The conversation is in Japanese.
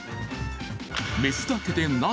メスだけでなぜ？